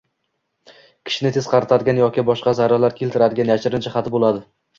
kishini tez qaritadigan yoki boshqa zararlar keltiradigan yashirin jihati bo’ladi